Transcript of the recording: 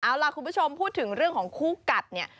เอาล่ะคุณผู้ชมพูดถึงเรื่องของคู่กัดเนี่ย